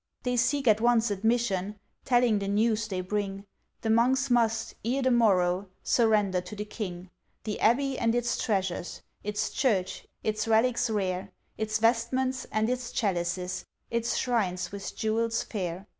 They seek at once admission, Telling the news they bring, The Monks must, ere the morrow, Surrender to the king The Abbey and its treasures, Its Church, its relics rare, Its Vestments and its Chalices, Its Shrines with jewels fair.